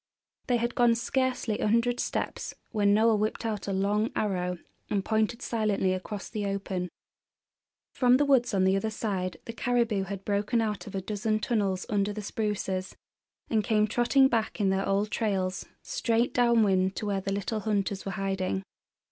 They had gone scarcely a hundred steps when Noel whipped out a long arrow and pointed silently across the open. From the woods on the other side the caribou had broken out of a dozen tunnels under the spruces, and came trotting back in their old trails, straight downwind to where the little hunters were hiding.